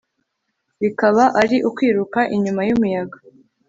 bikaba ari ukwiruka inyuma y'umuyaga